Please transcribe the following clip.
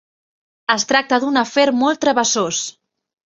Es tracta d'un afer molt travessós.